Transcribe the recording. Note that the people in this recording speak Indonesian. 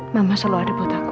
mama selalu ada buat aku